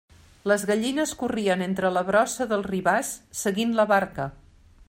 Les gallines corrien entre la brossa del ribàs seguint la barca.